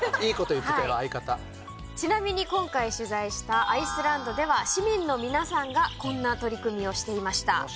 ちなみに今回取材したアイスランドでは市民の皆さんがこんな取り組みをしていました。